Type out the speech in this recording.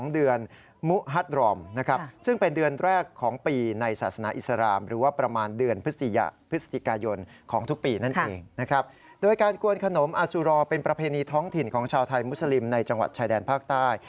โดยการกวนขนมอาสุรอเป็นประเพณีท้องถิ่นของชาวไทยมุสลิมในจังหวัดชายแดนภาคใต้